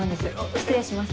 失礼します。